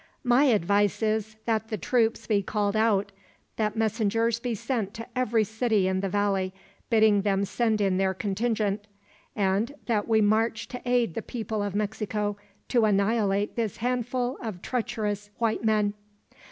"My advice is, that the troops be called out; that messengers be sent to every city in the valley, bidding them send in their contingent; and that we march to aid the people of Mexico to annihilate this handful of treacherous white men."